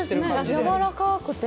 やわらかくて。